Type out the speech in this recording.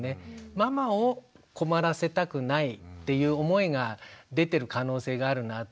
ママを困らせたくないっていう思いが出てる可能性があるなって。